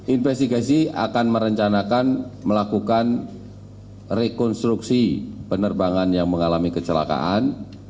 investigasi akan merencanakan melakukan rekonstruksi penerbangan yang mengalami kecelakaan